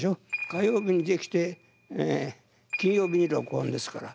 火曜日にできて金曜日に録音ですから。